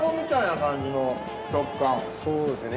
そうですね。